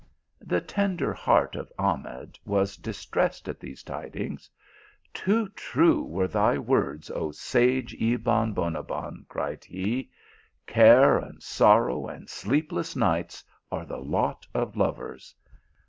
The tender heart of Ahmed was distressed at these tidings. " Too true were thy words, oh sage Ebon Bonabbon !" cried he. " Care and sorrow, and sleepless nights are the lot of lovers.